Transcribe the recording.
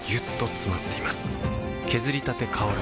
削りたて香る